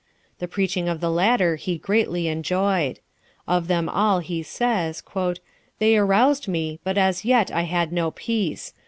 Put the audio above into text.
The preaching of the latter he greatly enjoyed. Of them all he says: "They aroused me, but as yet I had no peace.